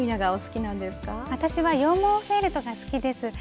私は羊毛フェルトが好きです。